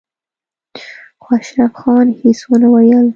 خو اشرف خان هېڅ ونه ويل.